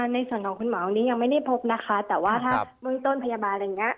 ในส่วนของคุณหมอวันนี้ยังไม่ได้พบนะคะแต่ว่าถ้าเบื้องต้นพยาบาลอะไรอย่างนี้